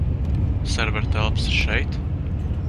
Servera telpas ir šeit?